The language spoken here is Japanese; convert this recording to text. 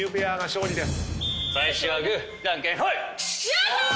やった！